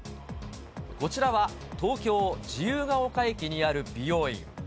こちらは、東京・自由が丘駅にある美容院。